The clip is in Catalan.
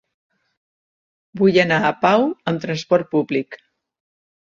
Vull anar a Pau amb trasport públic.